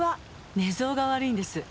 寝相が悪いんです。